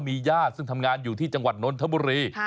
มีญาติซึ่งทำงานอยู่ที่จังหวัดนนทบุรี